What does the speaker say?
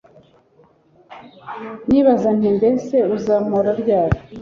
nibaza nti Mbese uzampoza ryari?